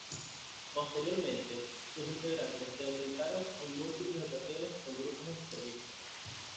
Posteriormente, sus integrantes se enfrentaron en múltiples ocasiones con grupos extremistas.